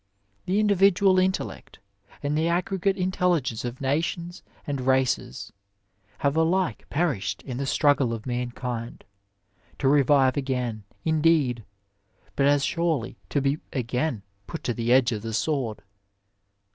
The individual intellect, and the aggregate intelligence of nations and races, have alike perished in the struggle of mankind, to revive again, indeed, but as surely to be again put to the edge of the sword.